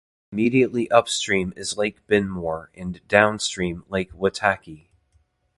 Immediately upstream is Lake Benmore and downstream Lake Waitaki.